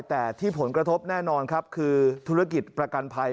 แต่ที่ผลกระทบแน่นอนครับคือธุรกิจประกันภัย